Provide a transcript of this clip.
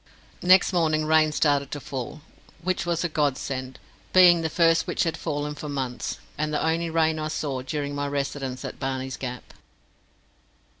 Next morning rain started to fall, which was a great God send, being the first which had fallen for months, and the only rain I saw during my residence at Barney's Gap.